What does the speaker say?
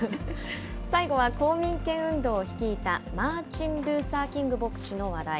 最後は、公民権運動を率いたマーチン・ルーサー・キング牧師の話題。